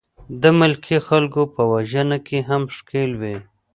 د ملکي خلکو په وژنه کې هم ښکېل وې.